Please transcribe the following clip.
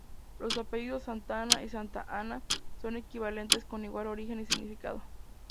Los apellidos "Santana" y "Santa Ana" son equivalentes con igual origen y significado.